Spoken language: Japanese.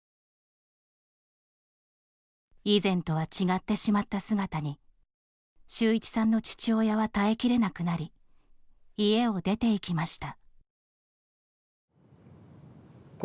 以前とは違ってしまった姿に秀一さんの父親は耐えきれなくなり家を出ていきました。